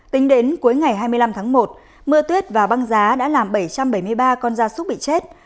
tính đến cuối ngày hai mươi năm tháng một mưa tuyết và băng giá đã làm bảy trăm bảy mươi ba con da súc bị chết